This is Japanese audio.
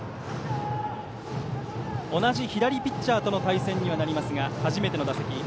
同じ左ピッチャーとの対戦にはなりますが初めての打席。